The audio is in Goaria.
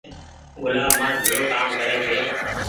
گلآب مآر ڀيڙو ڪآم ڪري ڇي۔